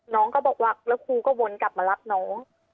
น้องก็บอกว่าแล้วครูก็วนกลับมารับน้อง